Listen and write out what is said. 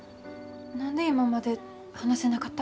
何で今まで話せなかったわけ？